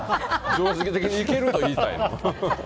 常識的にいけると言いたい。